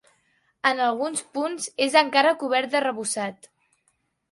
En alguns punts és encara cobert d'arrebossat.